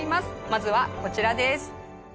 まずはこちらです。